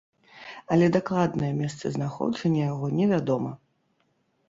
Але дакладнае месцазнаходжанне яго не вядома.